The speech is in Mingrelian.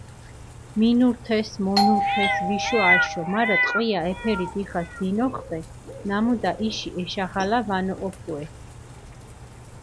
მინურთეს, მონურთეს ვიშო-აშო, მარა ტყვია ეფერი დიხას დინოხვე ნამუდა, იში ეშაღალა ვანოჸოფუე.